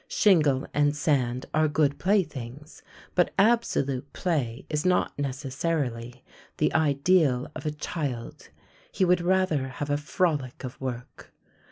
Shingle and sand are good playthings, but absolute play is not necessarily the ideal of a child; he would rather have a frolic of work.